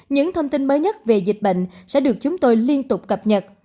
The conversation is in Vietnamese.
những thông tin mới nhất về dịch bệnh sẽ được chúng tôi liên tục cập nhật